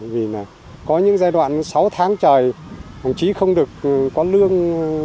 vì là có những giai đoạn sáu tháng trời đồng chí không được có lương